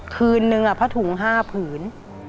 คืนหนึ่งพระถุง๕ผื่น